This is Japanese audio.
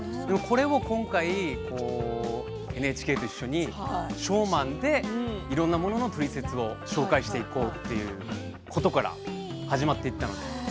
今回、ＮＨＫと一緒にショーマンでいろいろなもののトリセツを紹介していこうということから始まりました。